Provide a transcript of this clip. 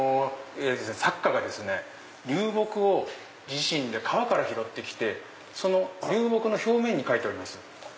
作家が流木を自身で川から拾って来てその流木の表面に描いております。